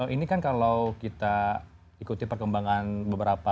ini kan kalau kita ikuti perkembangan beberapa